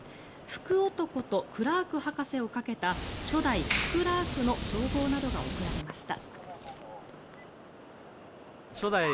福男とクラーク博士をかけた初代福ラークの称号などが贈られました。